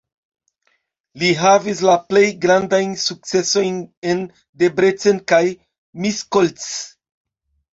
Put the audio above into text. Li havis la plej grandajn sukcesojn en Debrecen kaj Miskolc.